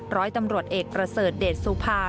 ร้อยตำรวจเอกประเสริฐเดชสุภา